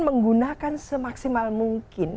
menggunakan semaksimal mungkin